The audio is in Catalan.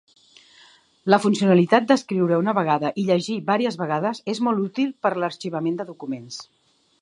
La funcionalitat d'escriure una vegada i llegir vàries vegades és molt útil per a l'arxivament de documents.